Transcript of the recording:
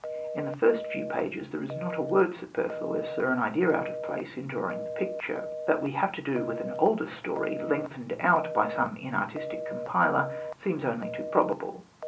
In the first few pages there is not a word superfluous or an idea out of place in drawing the picture. That we have to do with an older story lengthened out by some inartistic compiler, seems only too prob able.